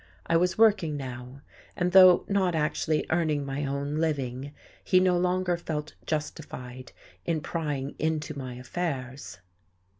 I was working now, and though not actually earning my own living, he no longer felt justified in prying into my affairs.